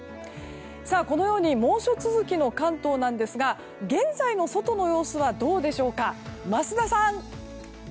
このように猛暑続きの関東ですが現在の外の様子はどうでしょうか、桝田さん。